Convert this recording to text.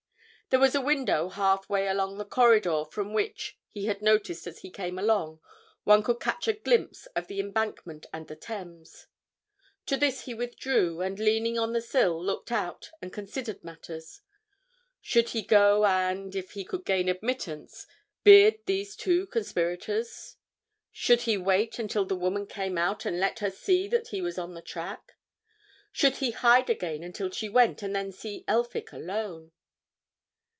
There was a window half way along the corridor from which, he had noticed as he came along, one could catch a glimpse of the Embankment and the Thames; to this he withdrew, and leaning on the sill looked out and considered matters. Should he go and—if he could gain admittance—beard these two conspirators? Should he wait until the woman came out and let her see that he was on the track? Should he hide again until she went, and then see Elphick alone?